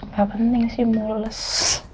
gak penting sih mulus